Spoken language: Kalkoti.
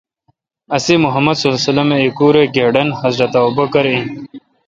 اسے°محمدؐہیکوراے° گڑن حضرت ابوبکؓر این